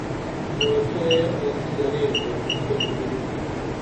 باچائے آڅی گنے تے تو تہ بزرگ تھوپ